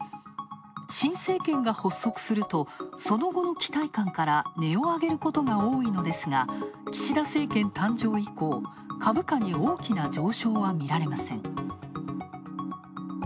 新政権が発足すると、その後の期待感から値を上げることが多いのですが岸田政権誕生以降、株価に大きな上昇は見られません。